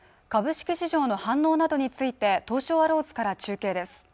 株式市場の反応などについて東証アローズから中継です